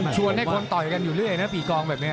ชวนให้คนต่อยกันอยู่เรื่อยนะปีกองแบบนี้